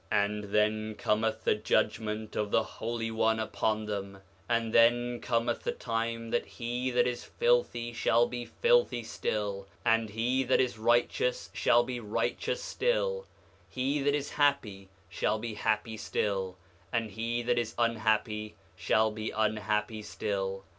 9:14 And then cometh the judgment of the Holy One upon them; and then cometh the time that he that is filthy shall be filthy still; and he that is righteous shall be righteous still; he that is happy shall be happy still; and he that is unhappy shall be unhappy still.